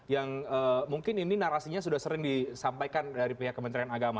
yang mungkin ini narasinya sudah sering disampaikan dari pihak kementerian agama